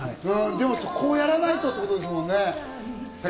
こうやらないとってことですもんね。